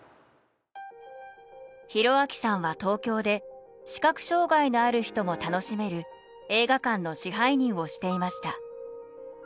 浩章さんは東京で視覚障がいのある人も楽しめる映画館の支配人をしていました。